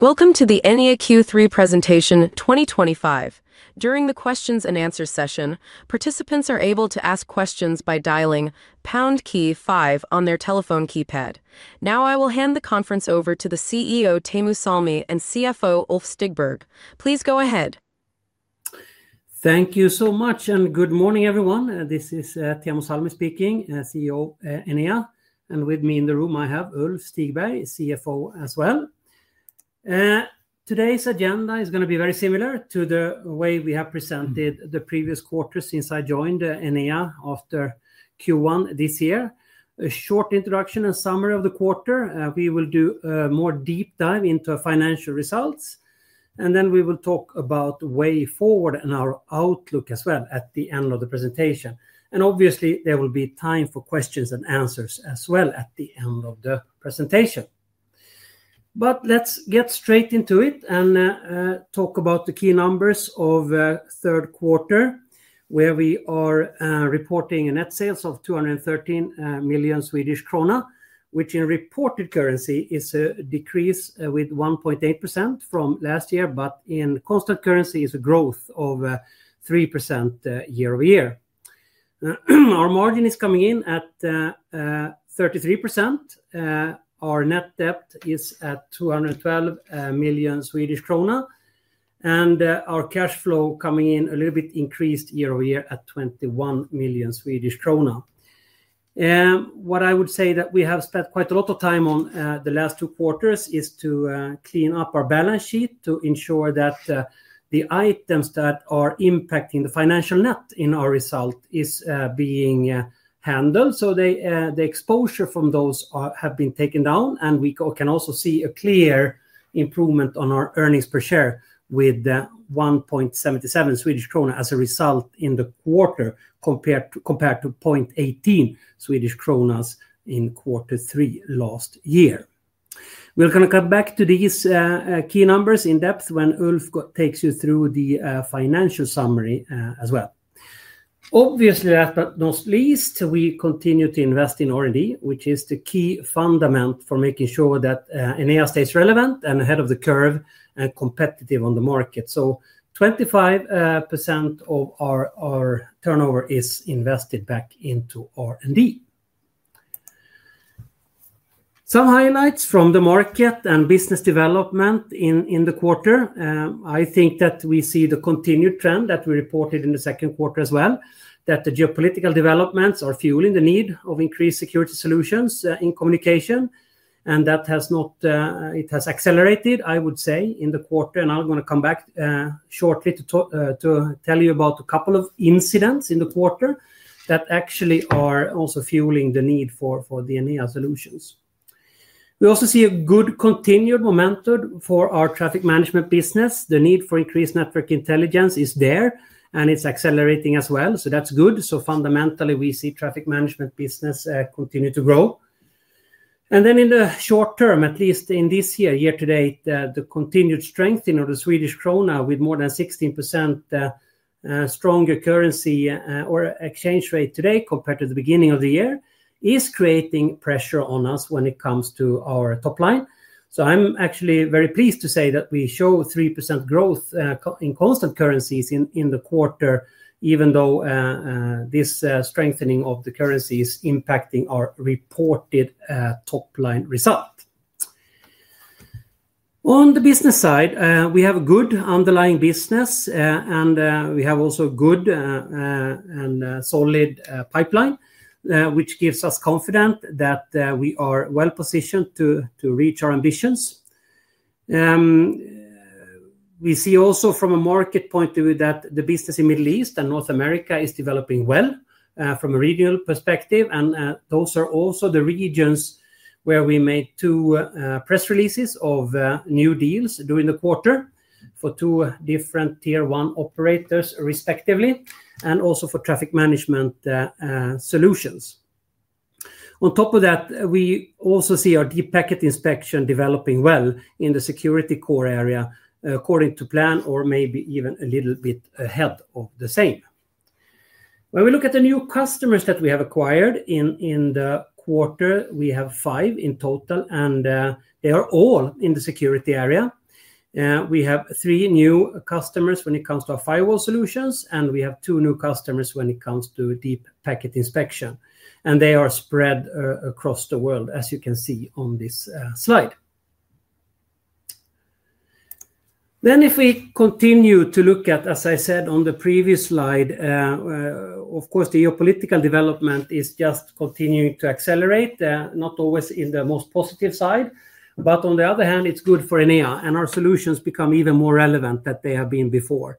Welcome to the Enea Q3 Presentation 2025. During the questions and answers session, participants are able to ask questions by dialing #KEY5 on their telephone keypad. Now, I will hand the conference over to the CEO, Teemu Salmi, and CFO, Ulf Stigberg. Please go ahead. Thank you so much, and good morning, everyone. This is Teemu Salmi speaking, CEO Enea. With me in the room, I have Ulf Stigberg, CFO as well. Today's agenda is going to be very similar to the way we have presented the previous quarter since I joined Enea after Q1 this year. A short introduction and summary of the quarter. We will do a more deep dive into financial results, and then we will talk about way forward and our outlook as well at the end of the presentation. Obviously, there will be time for questions and answers as well at the end of the presentation. Let's get straight into it and talk about the key numbers of the third quarter, where we are reporting net sales of 213 million Swedish krona, which in reported currency is a decrease of 1.8% from last year, but in constant currency is a growth of 3% year over year. Our margin is coming in at 33%. Our net debt is at 212 million Swedish krona, and our cash flow coming in a little bit increased year over year at 21 million Swedish krona. What I would say that we have spent quite a lot of time on the last two quarters is to clean up our balance sheet to ensure that the items that are impacting the financial net in our result are being handled. The exposure from those has been taken down, and we can also see a clear improvement on our earnings per share with 1.77 Swedish krona as a result in the quarter compared to 0.18 Swedish kronor in quarter three last year. We're going to come back to these key numbers in depth when Ulf takes you through the financial summary as well. Last but not least, we continue to invest in R&D, which is the key fundament for making sure that Enea stays relevant and ahead of the curve and competitive on the market. 25% of our turnover is invested back into R&D. Some highlights from the market and business development in the quarter. I think that we see the continued trend that we reported in the second quarter as well, that the geopolitical developments are fueling the need of increased security solutions in communication. That has not, it has accelerated, I would say, in the quarter. I'm going to come back shortly to tell you about a couple of incidents in the quarter that actually are also fueling the need for the Enea solutions. We also see a good continued momentum for our traffic management business. The need for increased network intelligence is there, and it's accelerating as well. That's good. Fundamentally, we see traffic management business continue to grow. In the short term, at least in this year, year to date, the continued strengthening of the Swedish krona with more than 16% stronger currency or exchange rate today compared to the beginning of the year is creating pressure on us when it comes to our top line. I'm actually very pleased to say that we show 3% growth in constant currencies in the quarter, even though this strengthening of the currency is impacting our reported top line result. On the business side, we have a good underlying business, and we have also a good and solid pipeline, which gives us confidence that we are well positioned to reach our ambitions. We see also from a market point of view that the business in the Middle East and North America is developing well from a regional perspective. Those are also the regions where we made two press releases of new deals during the quarter for two different tier-one operators, respectively, and also for traffic management solutions. On top of that, we also see our deep packet inspection developing well in the security core area according to plan, or maybe even a little bit ahead of the same. When we look at the new customers that we have acquired in the quarter, we have five in total, and they are all in the security area. We have three new customers when it comes to our firewall solutions, and we have two new customers when it comes to deep packet inspection. They are spread across the world, as you can see on this slide. If we continue to look at, as I said on the previous slide, of course, the geopolitical development is just continuing to accelerate, not always in the most positive side. On the other hand, it's good for Enea, and our solutions become even more relevant than they have been before.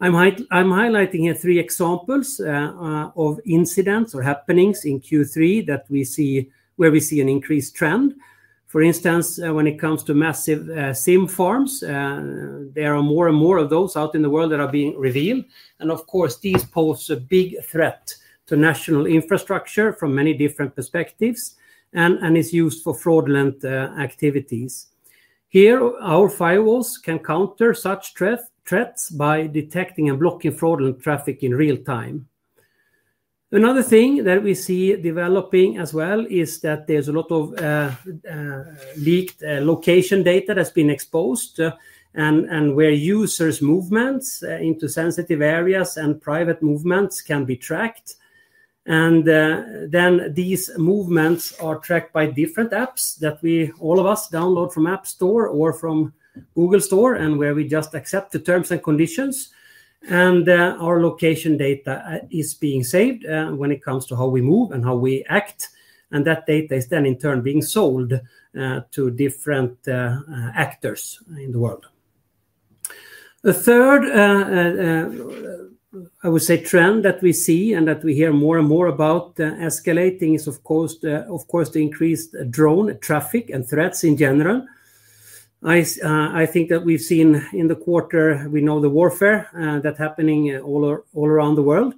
I'm highlighting here three examples of incidents or happenings in Q3 that we see where we see an increased trend. For instance, when it comes to massive SIM farms, there are more and more of those out in the world that are being revealed. These pose a big threat to national infrastructure from many different perspectives and is used for fraudulent activities. Here, our firewalls can counter such threats by detecting and blocking fraudulent traffic in real time. Another thing that we see developing as well is that there's a lot of leaked location data that's been exposed, where users' movements into sensitive areas and private movements can be tracked. These movements are tracked by different apps that we, all of us, download from App Store or from Google Store, where we just accept the terms and conditions. Our location data is being saved when it comes to how we move and how we act. That data is then, in turn, being sold to different actors in the world. A third, I would say, trend that we see and that we hear more and more about escalating is, of course, the increased drone traffic and threats in general. I think that we've seen in the quarter, we know the warfare that's happening all around the world.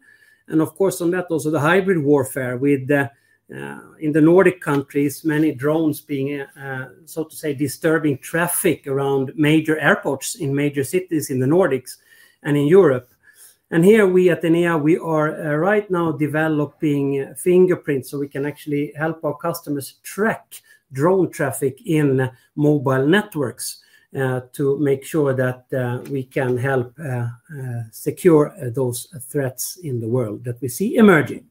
Of course, on that, also the hybrid warfare with, in the Nordic countries, many drones being, so to say, disturbing traffic around major airports in major cities in the Nordics and in Europe. Here we at Enea, we are right now developing fingerprints so we can actually help our customers track drone traffic in mobile networks to make sure that we can help secure those threats in the world that we see emerging.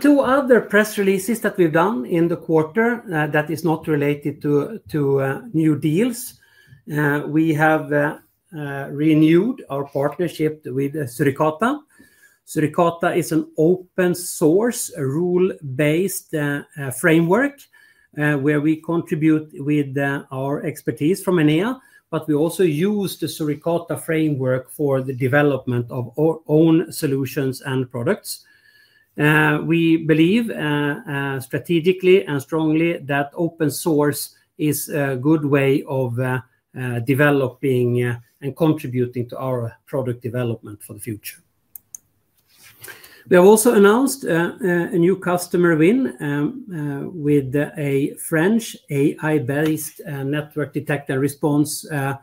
Two other press releases that we've done in the quarter that are not related to new deals. We have renewed our partnership with Suricata. Suricata is an open-source, rule-based framework where we contribute with our expertise from Enea, but we also use the Suricata framework for the development of our own solutions and products. We believe strategically and strongly that open source is a good way of developing and contributing to our product development for the future. We have also announced a new customer win with a French AI-based NDR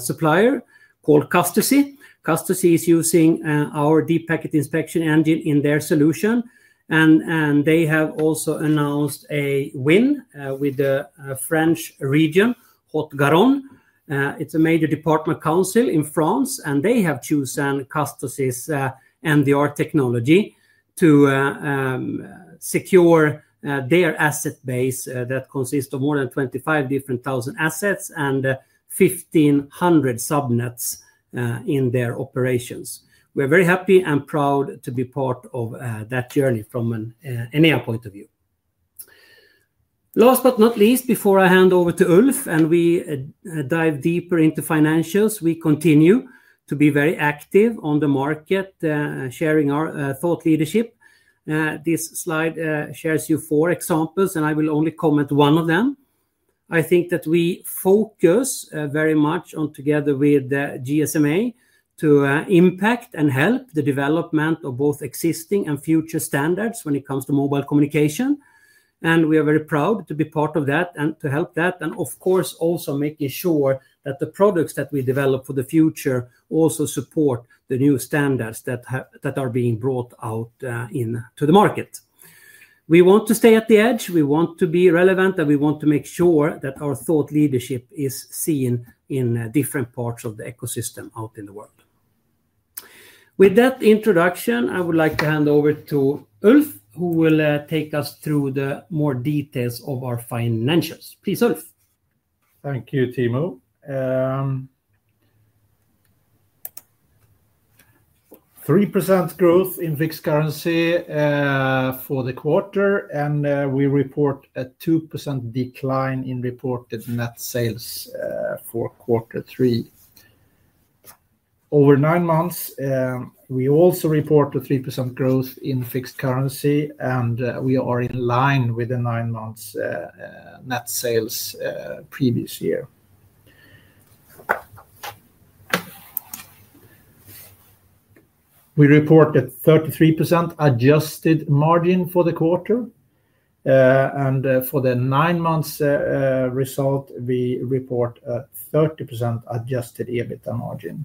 supplier called Custosy. Custosy is using our deep packet inspection engine in their solution. They have also announced a win with the French region, Haute-Garonne. It's a major department council in France, and they have chosen Custosy's NDR technology to secure their asset base that consists of more than 25,000 assets and 1,500 subnets in their operations. We are very happy and proud to be part of that journey from an Enea point of view. Last but not least, before I hand over to Ulf and we dive deeper into financials, we continue to be very active on the market, sharing our thought leadership. This slide shares you four examples, and I will only comment one of them. I think that we focus very much on, together with GSMA, to impact and help the development of both existing and future standards when it comes to mobile communication. We are very proud to be part of that and to help that. Of course, also making sure that the products that we develop for the future also support the new standards that are being brought out into the market. We want to stay at the edge. We want to be relevant, and we want to make sure that our thought leadership is seen in different parts of the ecosystem out in the world. With that introduction, I would like to hand over to Ulf, who will take us through the more details of our financials. Please, Ulf. Thank you, Teemu. 3% growth in constant currency for the quarter, and we report a 2% decline in reported net sales for quarter three. Over nine months, we also report a 3% growth in constant currency, and we are in line with the nine months net sales previous year. We report a 33% adjusted EBITDA margin for the quarter. For the nine months result, we report a 30% adjusted EBITDA margin.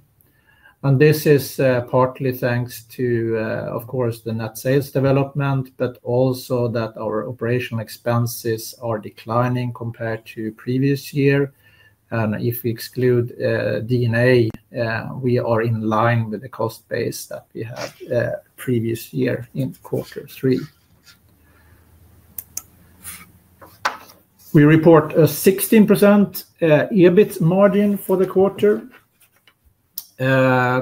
This is partly thanks to, of course, the net sales development, but also that our operational expenses are declining compared to the previous year. If we exclude DNA, we are in line with the cost base that we had the previous year in quarter three. We report a 16% EBITDA margin for the quarter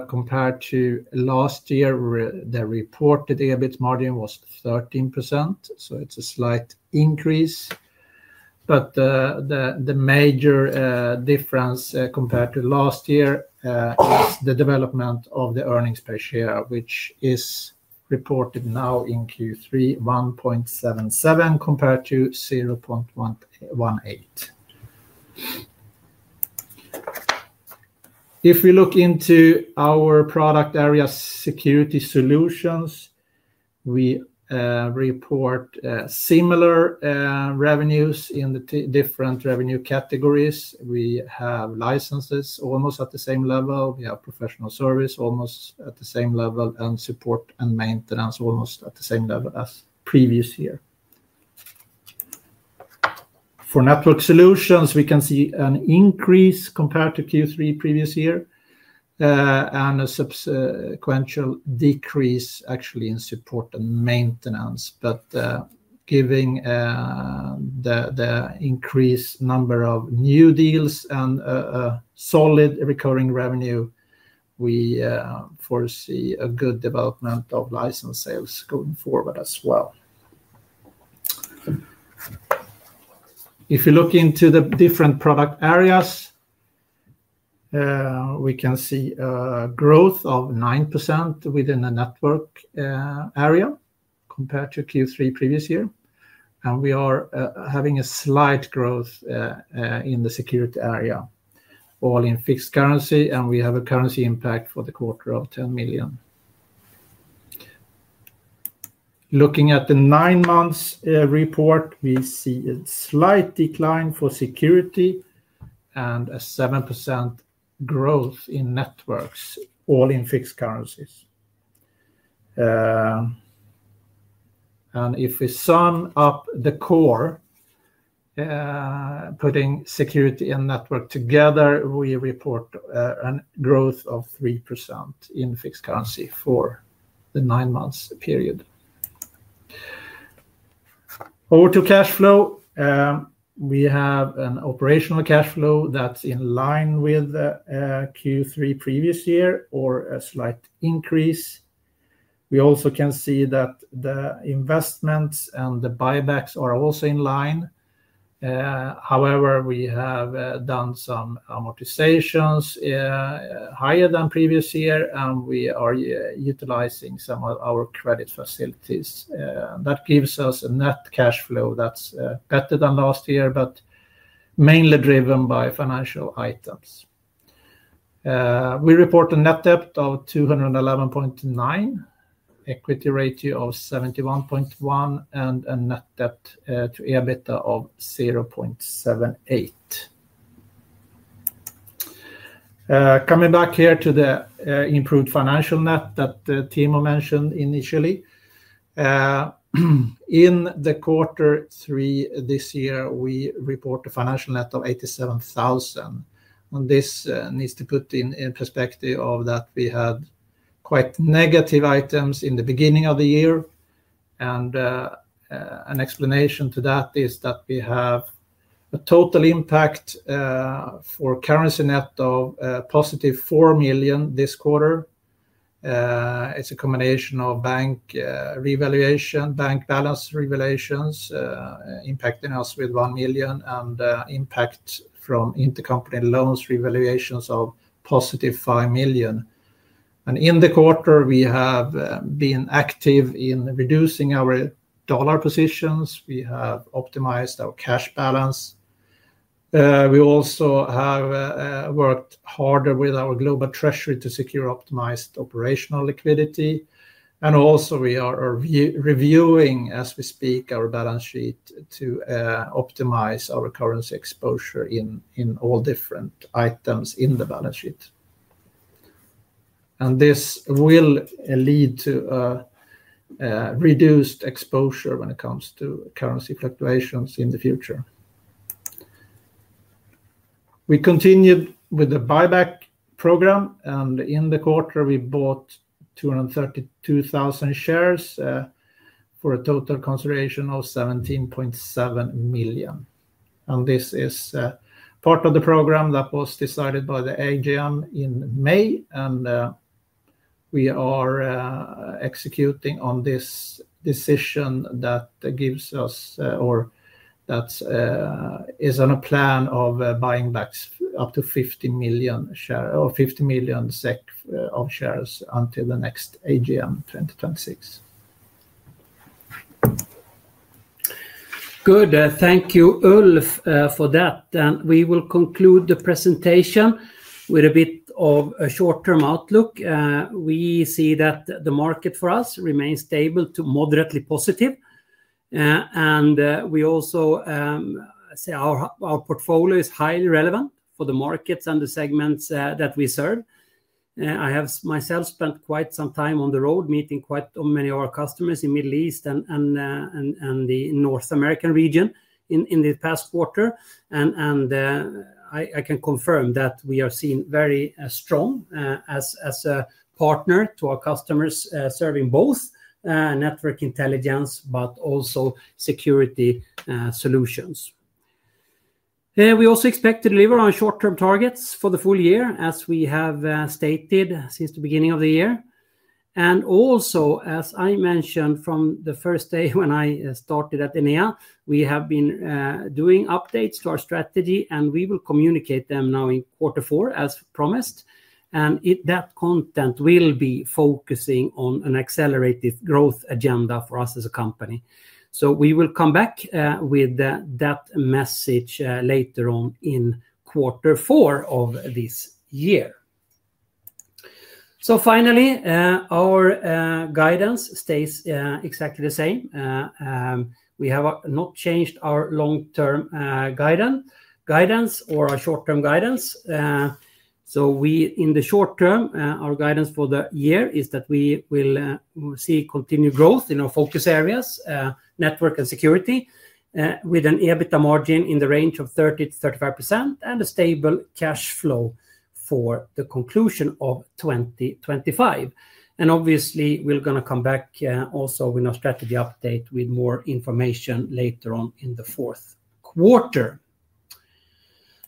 compared to last year, where the reported EBITDA margin was 13%. It's a slight increase. The major difference compared to last year is the development of the earnings per share, which is reported now in Q3 $1.77 compared to $0.18. If we look into our product area, security solutions, we report similar revenues in the different revenue categories. We have licenses almost at the same level. We have professional service almost at the same level, and support and maintenance almost at the same level as previous year. For network solutions, we can see an increase compared to Q3 previous year and a subsequential decrease, actually, in support and maintenance. Given the increased number of new deals and a solid recurring revenue, we foresee a good development of license sales going forward as well. If you look into the different product areas, we can see a growth of 9% within the network area compared to Q3 previous year. We are having a slight growth in the security area, all in constant currency. We have a currency impact for the quarter of $10 million. Looking at the nine months report, we see a slight decline for security and a 7% growth in networks, all in constant currency. If we sum up the core, putting security and network together, we report a growth of 3% in constant currency for the nine months period. Over to cash flow, we have an operational cash flow that's in line with Q3 previous year or a slight increase. We also can see that the investments and the buybacks are also in line. However, we have done some amortizations higher than previous year, and we are utilizing some of our credit facilities. That gives us a net cash flow that's better than last year, but mainly driven by financial items. We report a net debt of $211.9 million, equity ratio of 71.1%, and a net debt to EBITDA of 0.78. Coming back here to the improved financial net that Teemu mentioned initially, in the quarter three this year, we report a financial net of $87,000. This needs to be put in perspective of that we had quite negative items in the beginning of the year. An explanation to that is that we have a total impact for currency net of positive $4 million this quarter. It's a combination of bank revaluation, bank balance revaluations, impacting us with $1 million, and impact from intercompany loans revaluations of positive $5 million. In the quarter, we have been active in reducing our dollar positions. We have optimized our cash balance. We also have worked harder with our global treasury to secure optimized operational liquidity. We are reviewing as we speak our balance sheet to optimize our currency exposure in all different items in the balance sheet. This will lead to a reduced exposure when it comes to currency fluctuations in the future. We continued with the buyback program. In the quarter, we bought 232,000 shares for a total consideration of $17.7 million. This is part of the program that was decided by the AGM in May. We are executing on this decision that gives us or that is on a plan of buying back up to 50 million SEK of shares until the next AGM 2026. Good. Thank you, Ulf, for that. We will conclude the presentation with a bit of a short-term outlook. We see that the market for us remains stable to moderately positive. We also say our portfolio is highly relevant for the markets and the segments that we serve. I have myself spent quite some time on the road meeting quite many of our customers in the Middle East and the North American region in the past quarter. I can confirm that we are seen very strong as a partner to our customers serving both network intelligence but also security solutions. We also expect to deliver on short-term targets for the full year, as we have stated since the beginning of the year. As I mentioned from the first day when I started at Enea, we have been doing updates to our strategy, and we will communicate them now in quarter four, as promised. That content will be focusing on an accelerated growth agenda for us as a company. We will come back with that message later on in quarter four of this year. Finally, our guidance stays exactly the same. We have not changed our long-term guidance or our short-term guidance. In the short term, our guidance for the year is that we will see continued growth in our focus areas, network and security, with an EBITDA margin in the range of 30% to 35% and a stable cash flow for the conclusion of 2025. Obviously, we're going to come back also with our strategy update with more information later on in the fourth quarter.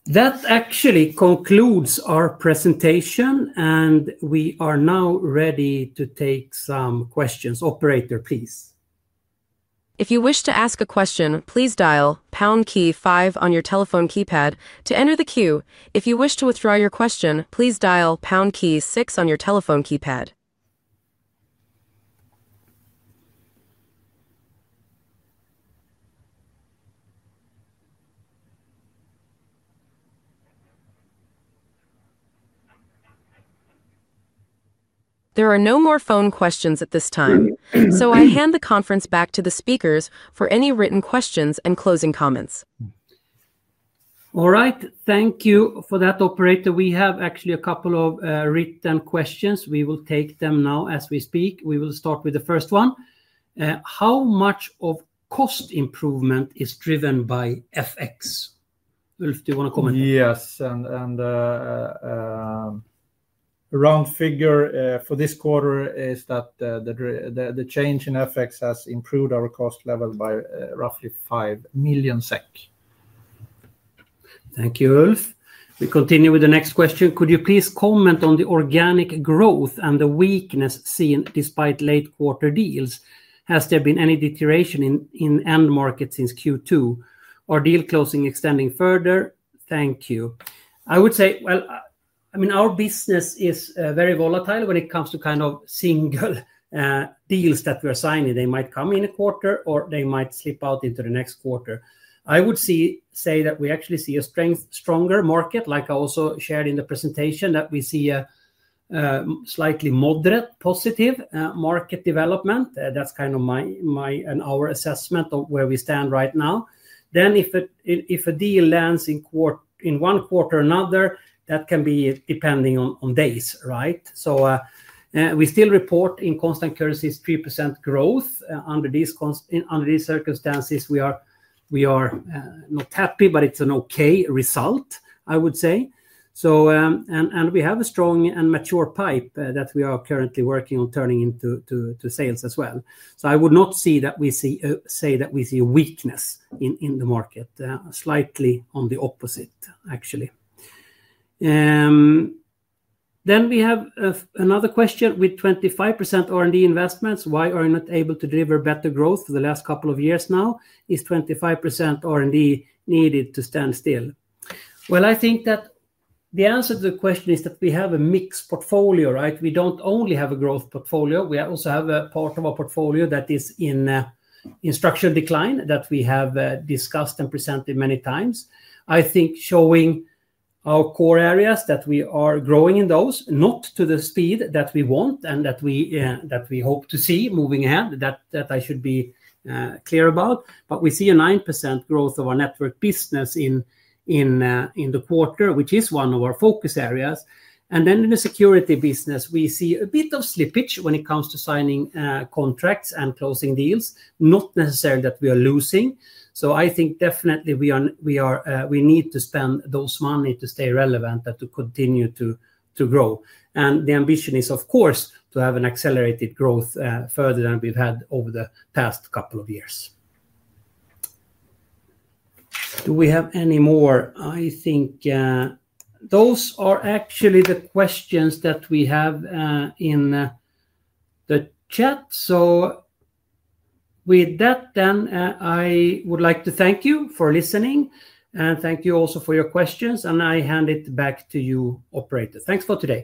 That actually concludes our presentation. We are now ready to take some questions. Operator, please. If you wish to ask a question, please dial #KEY5 on your telephone keypad to enter the queue. If you wish to withdraw your question, please dial #KEY6 on your telephone keypad. There are no more phone questions at this time. I hand the conference back to the speakers for any written questions and closing comments. All right. Thank you for that, operator. We have actually a couple of written questions. We will take them now as we speak. We will start with the first one. How much of cost improvement is driven by FX? Ulf, do you want to comment? Yes, a round figure for this quarter is that the change in FX has improved our cost level by roughly 5 million SEK. Thank you, Ulf. We continue with the next question. Could you please comment on the organic growth and the weakness seen despite late quarter deals? Has there been any deterioration in the end market since Q2? Are deal closings extending further? Thank you. I would say our business is very volatile when it comes to kind of single deals that we're signing. They might come in a quarter, or they might slip out into the next quarter. I would say that we actually see a stronger market, like I also shared in the presentation, that we see a slightly moderate positive market development. That's kind of my and our assessment of where we stand right now. If a deal lands in one quarter or another, that can be depending on days, right? We still report in constant currency 3% growth. Under these circumstances, we are not happy, but it's an OK result, I would say. We have a strong and mature pipe that we are currently working on turning into sales as well. I would not say that we see a weakness in the market, slightly on the opposite, actually. We have another question. With 25% R&D investments, why are you not able to deliver better growth for the last couple of years now? Is 25% R&D needed to stand still? I think that the answer to the question is that we have a mixed portfolio, right? We don't only have a growth portfolio. We also have a part of our portfolio that is in structural decline that we have discussed and presented many times. I think showing our core areas that we are growing in those, not to the speed that we want and that we hope to see moving ahead, that I should be clear about. We see a 9% growth of our network business in the quarter, which is one of our focus areas. In the security business, we see a bit of slippage when it comes to signing contracts and closing deals, not necessarily that we are losing. I think definitely we need to spend those money to stay relevant and to continue to grow. The ambition is, of course, to have an accelerated growth further than we've had over the past couple of years. I think those are actually the questions that we have in the chat. With that, I would like to thank you for listening. Thank you also for your questions. I hand it back to you, operator. Thanks for today.